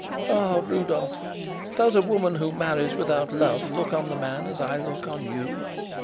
Ah, Rudolf! does a woman who marries without love look on the man as I look on you?"